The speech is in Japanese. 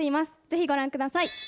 ぜひご覧ください。